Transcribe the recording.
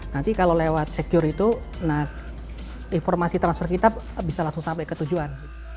nanti kalau lewat secure itu informasi transfer kita bisa langsung sampai ke tujuan